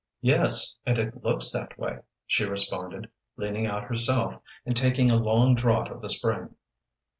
"Yes, and looks that way," she responded, leaning out herself, and taking a long draught of the spring.